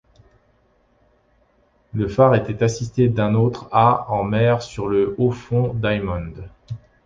Le phare était assisté d'un autre à en mer sur le haut-fond Diamond.